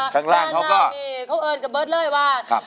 ด้านล่างนี่เค้าเอิ้นกับเบิร์ตเลยว่า